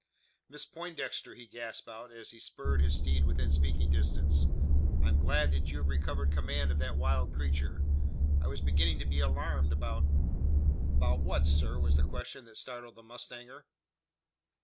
"Miss Poindexter!" he gasped out, as he spurred his steed within speaking distance: "I am glad that you have recovered command of that wild creature. I was beginning to be alarmed about " "About what, sir?" was the question that startled the mustanger.